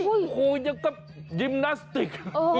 โอ้โหยังกับยิมนาสติก